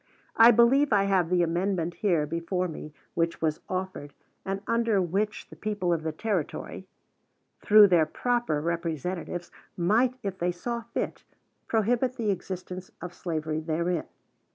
I believe I have the amendment here before me which was offered, and under which the people of the Territory, through their proper representatives, might, if they saw fit, prohibit the existence of slavery therein.